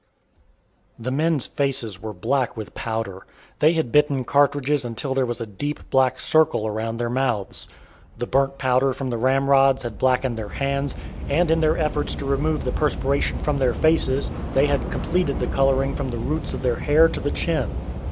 The men's faces were black with powder. They had bitten cartridges until there was a deep black circle around their mouths. The burnt powder from the ramrods had blackened their hands, and in their efforts to remove the perspiration from their faces they had completed the coloring from the roots of the hair to the chin.